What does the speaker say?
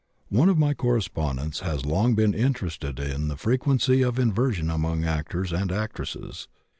One of my correspondents has long been interested in the frequency of inversion among actors and actresses.